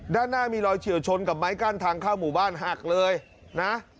ด้านหน้ามีรอยเฉียวชนกับไม้กั้นทางเข้าหมู่บ้านหักเลยนะ